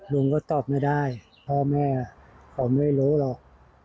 ลุงก็ตอบไม่ได้พ่อแม่เขาไม่รู้หรอก